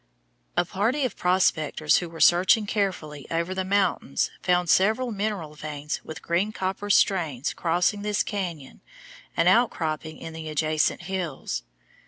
A party of prospectors who were searching carefully over the mountains found several mineral veins with green copper stains crossing this cañon and outcropping in the adjacent hills.